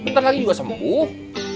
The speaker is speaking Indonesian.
ntar lagi juga sembuh